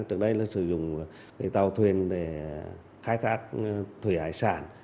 trước đây là sử dụng tàu thuyền để khai thác thủy hải sản